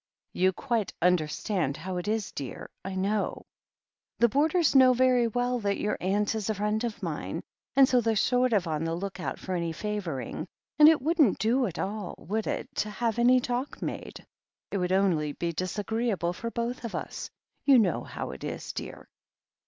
"You quite understand how it is, dear, I know. The boarders know very well that your aunt is a friend of mine, and so they're sort of on the look out for any favouring. And it wouldn't do at all, would it, to have any talk made ? It would only be disagreeable for both of us — ^you know how it is, dear."